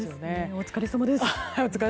お疲れさまです。